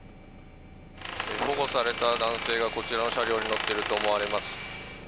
保護された男性がこちらの車両に乗っているとみられます。